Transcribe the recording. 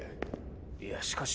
いやしかし。